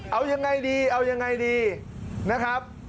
เอายังไงดีเอายังไงดีนะครับ